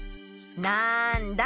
なんだ？